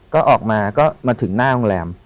ก็ออกมาก็มาถึงหน้าโรงแรม